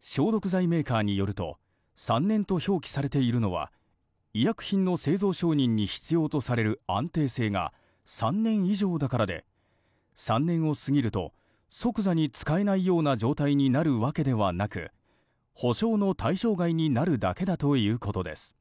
消毒剤メーカーによると３年と表記されているのは医薬品の製造承認に必要とされる安定性が３年以上だからで３年を過ぎると即座に使えないような状態になるわけではなく保証の対象外になるだけだということです。